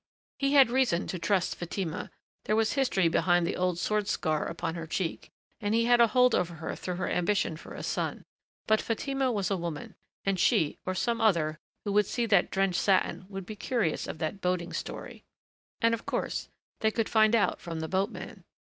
He had reason to trust Fatima there was history behind the old sword scar upon her cheek, and he had a hold over her through her ambition for a son. But Fatima was a woman. And she or some other who would see that drenched satin would be curious of that boating story.... And of course they could find out from the boatman.